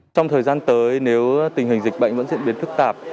trong thời gian tới nếu tình hình dịch bệnh vẫn diễn biến phức tạp